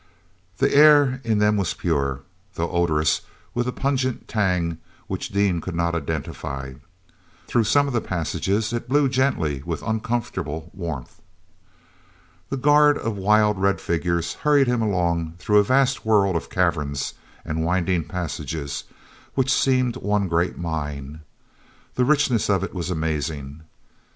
The air in them was pure, though odorous with a pungent tang which Dean could not identify. Through some of the passages it blew gently with uncomfortable warmth. The guard of wild red figures hurried him along through a vast world of caverns and winding passages which seemed one great mine. The richness of it was amazing.